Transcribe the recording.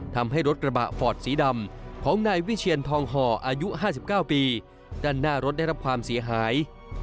ทำให้รถกระบะฟอร์ดสีดำของนายวิเชียนทองห่ออายุ๕๙ปีด้านหน้ารถได้รับความเสียหาย